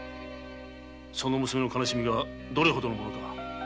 その娘の悲しみがどれほどのものか。